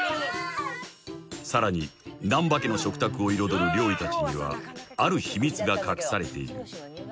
［さらに難破家の食卓を彩る料理たちにはある秘密が隠されている］